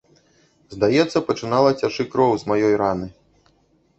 Здаецца, пачынала цячы кроў з маёй раны.